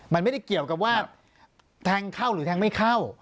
มันไม่ได้เกี่ยวกับว่าแทงเข้าหรือแทงไม่เข้า